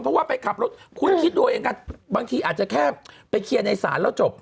เพราะว่าไปขับรถคุณคิดดูเอาเองกันบางทีอาจจะแค่ไปเคลียร์ในศาลแล้วจบ